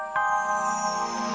kalau call er